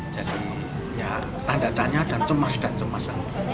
jadi ya tanda tanya dan cemas dan cemas